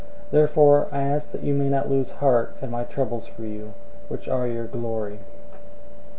003:013 Therefore I ask that you may not lose heart at my troubles for you, which are your glory.